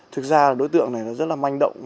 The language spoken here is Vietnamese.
thực ra đối tượng này rất là manh động